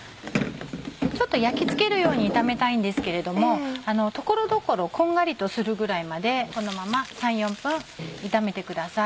ちょっと焼きつけるように炒めたいんですけれども所々こんがりとするぐらいまでこのまま３４分炒めてください。